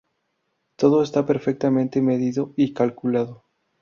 Todo está perfectamente medido y calculado.